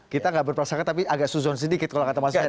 kita nggak berperasangka tapi agak suzon sedikit kalau kata pak soni